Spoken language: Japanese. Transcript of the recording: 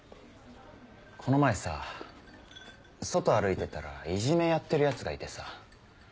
この前さ外歩いてたらいじめやってるヤツがいてさ。